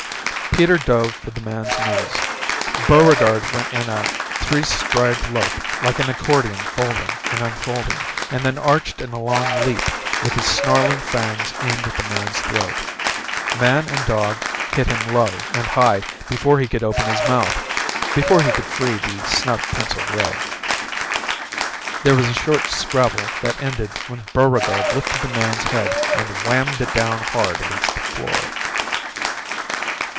Peter dove for the man's knees, Buregarde went in a three stride lope like an accordion folding and unfolding and then arched in a long leap with his snarling fangs aimed at the man's throat. Man and dog hit him low and high before he could open his mouth, before he could free the snub pencil ray. There was a short scrabble that ended when Buregarde lifted the man's head and whammed it down hard against the floor.